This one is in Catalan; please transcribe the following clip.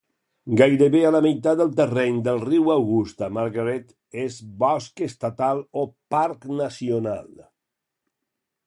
Gairebé la meitat del terreny del riu Augusta-Margaret és bosc estatal o parc nacional.